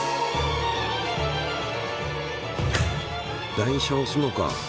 台車をおすのか。